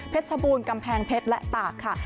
เพชรชบูรณ์กำแพงเพชรและตากค่ะ